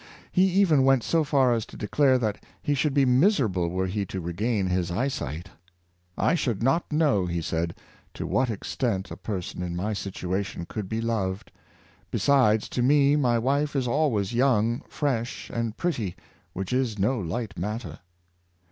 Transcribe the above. He even went so far as to declare that he should be miserable were he to regain his eyesight. ^' I should not know," he said, " to what extent a person in my situation could be beloved; be sides, to me my wife is always young, fresh, and pretty, which is no light matter."